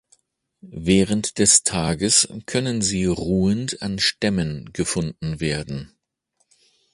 Während des Tages können sie ruhend an Stämmen gefunden werden.